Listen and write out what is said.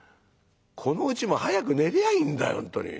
このうちも早く寝りゃあいいんだ本当に。